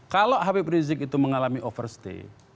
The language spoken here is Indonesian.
kalau habib rizik itu mengalami overstay